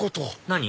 何？